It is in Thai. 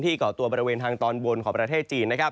เกาะตัวบริเวณทางตอนบนของประเทศจีน